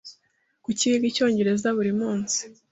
Kuki wiga icyongereza buri munsi?